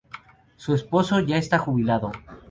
Su esposo ya está jubilado.